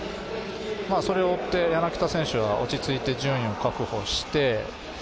それを追って柳田選手は落ち着いて順位を確保して。